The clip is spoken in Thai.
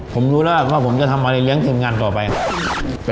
ผมรู้แล้วเราเรียงทีมงานต่อไปครับ